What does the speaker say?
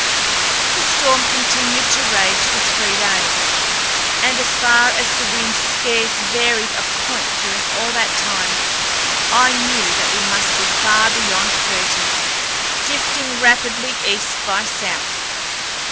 The storm continued to rage for three days, and as far as the wind scarce varied a point during all that time, I knew that we must be far beyond thirty, drifting rapidly east by south.